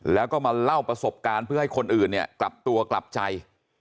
แล้วก็มาเล่าประสบการณ์เพื่อให้คนอื่นเนี่ยกลับตัวกลับใจ